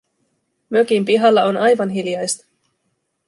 Mökin pihalla on aivan hiljaista.